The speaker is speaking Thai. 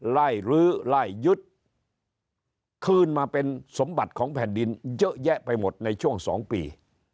ลื้อไล่ยึดคืนมาเป็นสมบัติของแผ่นดินเยอะแยะไปหมดในช่วง๒ปี